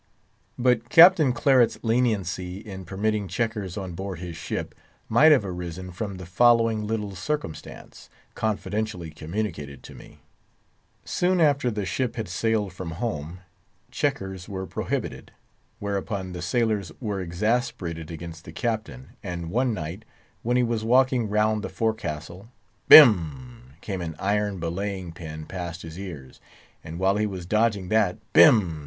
But Captain Claret's leniency in permitting checkers on board his ship might have arisen from the following little circumstance, confidentially communicated to me. Soon after the ship had sailed from home, checkers were prohibited; whereupon the sailors were exasperated against the Captain, and one night, when he was walking round the forecastle, bim! came an iron belaying pin past his ears; and while he was dodging that, bim!